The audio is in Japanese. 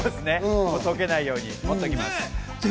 溶けないように持っときます。